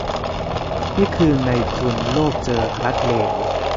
นี่คือนายทุนโลภเจอรัฐเลว